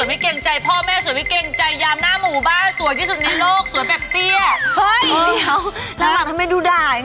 แอร์โหลดแล้วคุณล่ะโหลดแล้ว